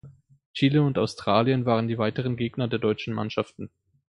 Chile und Australien waren die weiteren Gegner der deutschen Mannschaften.